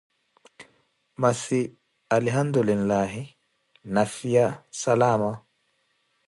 Masi alihandu linlahi, niifhiyaka salama.